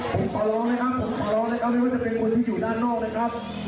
ผมขอร้องนะครับผมขอร้องนะครับไม่ว่าจะเป็นคนที่อยู่ด้านนอกนะครับ